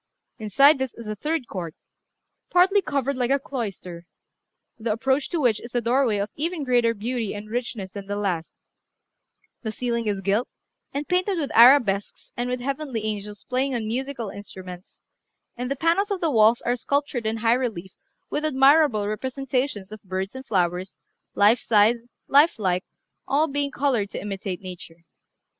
Inside this is a third court, partly covered like a cloister, the approach to which is a doorway of even greater beauty and richness than the last; the ceiling is gilt, and painted with arabesques and with heavenly angels playing on musical instruments, and the panels of the walls are sculptured in high relief with admirable representations of birds and flowers, life size, life like, all being coloured to imitate nature.